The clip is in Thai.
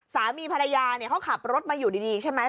สามีภรรยาเขาขับรถมาอยู่ดีใช่ไหม